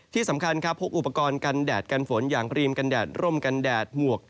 ที่สำคัญครับพกอุปกรณ์กันแดดกันฝนอย่างครีมกันแดดร่มกันแดดหมวก